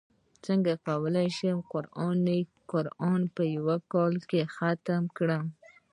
څنګه کولی شم قران په یوه کال کې ختم کړم